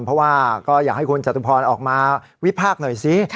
เพราะว่าก็อยากให้คุณจตุพรออกมาวิพากษ์หน่อยซิ